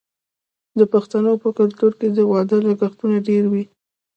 د پښتنو په کلتور کې د واده لګښتونه ډیر وي.